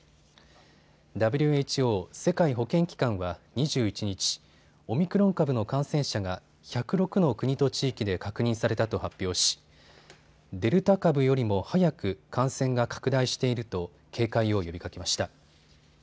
ＷＨＯ・世界保健機関は２１日、オミクロン株の感染者が１０６の国と地域で確認されたと発表しデルタ株よりも速く感染が拡大していると警戒を呼びかけました。